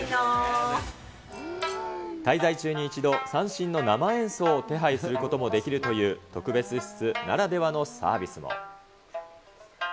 滞在中に一度、三線の生演奏を手配することもできるという、特別室ならではのサービスも。